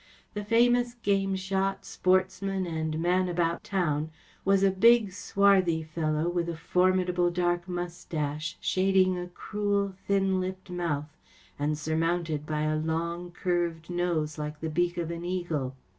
The famous game shot, sportsman, and man about town was a big, swarthy fellow, with a formidable dark moustache, shading a cruel, thin lipped mouth, and surmounted by a long, curved nose, like the beak of an eagle.